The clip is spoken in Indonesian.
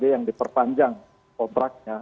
yang diperpanjang kontraknya